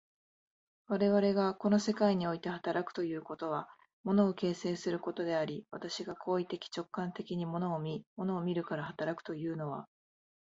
我々がこの世界において働くということは、物を形成することであり、私が行為的直観的に物を見、物を見るから働くというのは、